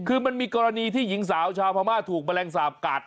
คือมันมีกรณีที่หญิงสาวชาวพม่าถูกแมลงสาปกัด